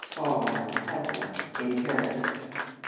_, fallen from heaven) imperative.